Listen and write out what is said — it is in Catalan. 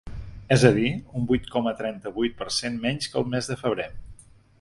És a dir, un vuit coma trenta-vuit per cent menys que el mes de febrer.